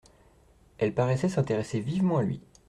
Elle paraissait s'intéresser vivement à lui.